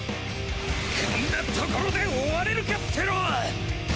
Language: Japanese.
こんなところで終われるかっての